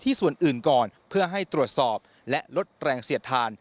ส่วนอื่นก่อนเพื่อให้ตรวจสอบและลดแรงเสียดทาน